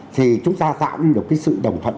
thì chúng ta dạo đi được cái sự đồng phận